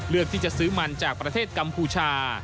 เลือกที่จะซื้อมันจากประเทศกัมพูชา